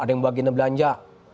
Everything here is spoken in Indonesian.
ada yang bagi ngebelanja